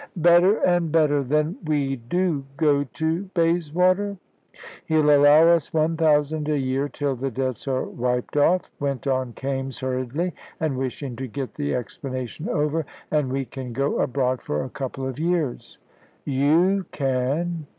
"Better and better. Then we do go to Bayswater?" "He'll allow us one thousand a year till the debts are wiped off," went on Kaimes hurriedly, and wishing to get the explanation over, "an' we can go abroad for a couple of years." "You can.